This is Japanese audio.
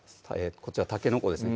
こちらたけのこです